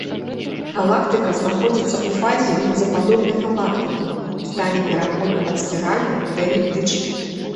Галактыка знаходзіцца ў фазе лінзападобнай галактыкі ў стане пераходу ад спіральнай да эліптычнай.